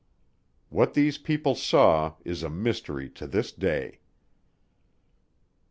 What these people saw is a mystery to this day.